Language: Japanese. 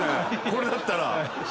これだったら。